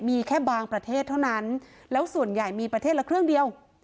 มีแค่บางประเทศเท่านั้นแล้วส่วนใหญ่มีประเทศละเครื่องเดียว